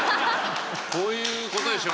こういうことでしょ？